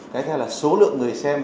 cái theo là số lượng người xem